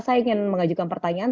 saya ingin mengajukan pertanyaan